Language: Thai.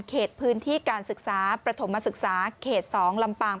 เขตพื้นที่การศึกษาประถมศึกษาเขต๒ลำปาง